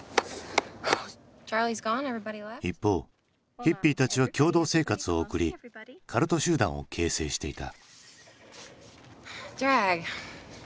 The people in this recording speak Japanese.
一方ヒッピーたちは共同生活を送りカルト集団を形成していた。